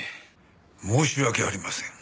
申し訳ありません。